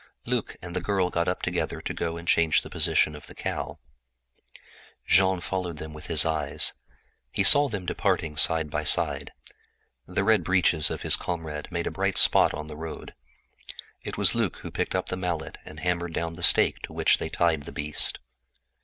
Luc and the girl went off together to change the position of the cow. Jean followed them with his eyes. He saw them departing side by side. The red breeches of his comrade made a bright spot on the road. It was Luc who picked up the mallet and hammered down the stake to which they tied the beast.